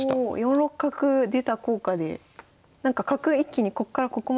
４六角出た効果で角一気にこっからここまで行けましたね。